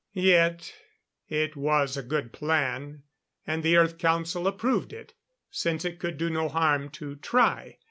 Yet it was a good plan, and the Earth Council approved it, since it could do no harm to try.